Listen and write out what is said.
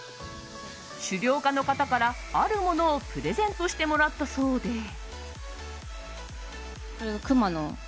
狩猟家の方から、あるものをプレゼントしてもらったそうで。